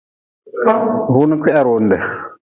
Runi kwiharonde.